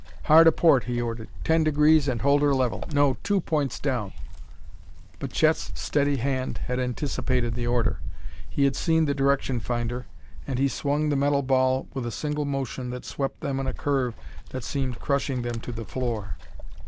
"Hard a port!" he ordered. "Ten degrees, and hold her level. No two points down." But Chet's steady hand had anticipated the order. He had seen the direction finder, and he swung the metal ball with a single motion that swept them in a curve that seemed crushing them to the floor.